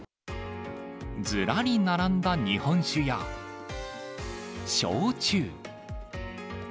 ずらり並んだ日本酒や、焼酎。